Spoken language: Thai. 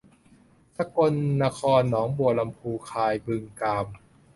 สกลนครหนองบัวลำภูหนองคายบึงกาฬ